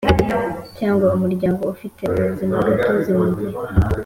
Cyangwa umuryango ufite ubuzimagatozi mu gihe